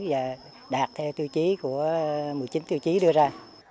và đạt theo tiêu chí của một mươi chín tiêu chí đưa ra